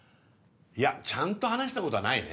いやちゃんと話したことはないね。